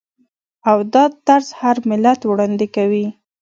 او دا طرز هر ملت وړاندې کوي.